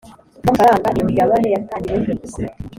b amafaranga iyo migabane yatangiweho